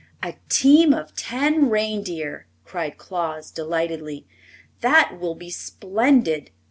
"A team of ten reindeer!" cried Claus, delightedly. "That will be splendid.